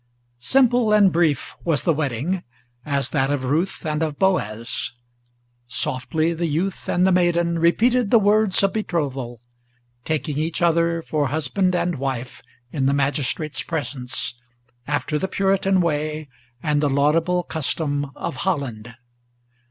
Simple and brief was the wedding, as that of Ruth and of Boaz. Softly the youth and the maiden repeated the words of betrothal, Taking each other for husband and wife in the Magistrate's presence, After the Puritan way, and the laudable custom of Holland.